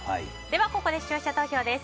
ここで視聴者投票です。